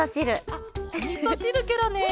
あっおみそしるケロね。